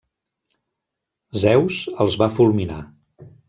Zeus els va fulminar.